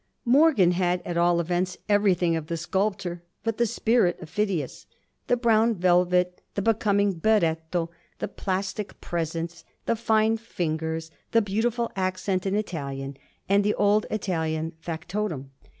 Morgan had at all events everything of the sculptor but the spirit of Phidias the brown velvet, the becoming beretto, the 'plastic' presence, the fine fingers, the beautiful accent in Italian and the old Italian factotum.